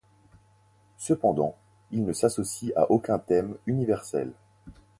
Cependant, il ne s'associe à aucun thème universel.